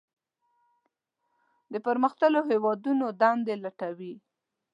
د پرمختللو هیوادونو دندې لټوي.